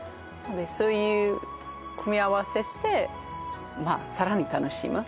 そういう組み合わせしてさらに楽しむ